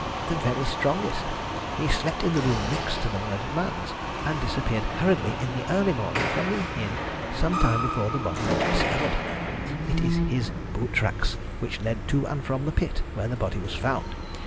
"The very strongest. He slept in the room next to the murdered man's, and disappeared hurriedly in the early morning from the inn some time before the body was discovered. It is his boot tracks which led to and from the pit where the body was found.